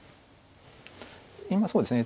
今そうですね